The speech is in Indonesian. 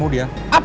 oh ya kan